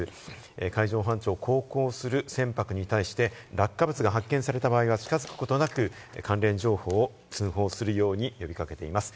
海上保安庁は航行する船舶に対して、落下物が発見された場合は近づくことなく、関連情報を通報するように呼び掛けています。